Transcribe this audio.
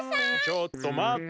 ちょっと待っと！